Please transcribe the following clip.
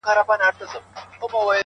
گوره اوښكي به در تـــوى كـــــــــړم.